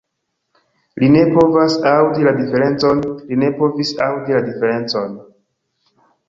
Li ne povas aŭdi la diferencon li ne povis aŭdi la diferencon!